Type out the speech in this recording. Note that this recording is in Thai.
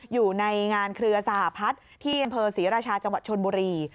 อยู่ในงานเครือสหพัฒน์ที่อำเภอศรีราชาจังหวัดชนบุรี